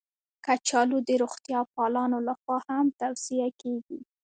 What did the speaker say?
کچالو د روغتیا پالانو لخوا هم توصیه کېږي